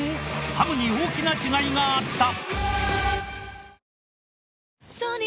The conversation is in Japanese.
ハムに大きな違いがあった！